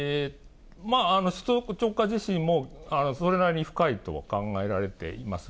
首都直下地震も、それなりに深いとは考えられています。